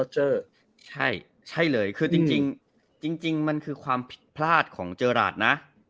ใช่ใช่เลยคือจริงจริงจริงจริงมันคือความผิดพลาดของเจอราชน่ะ